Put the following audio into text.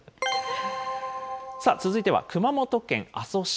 続いては、熊本県阿蘇市。